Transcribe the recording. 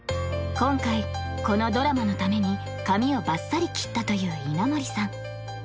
今回このドラマのために髪をバッサリ切ったという稲森さん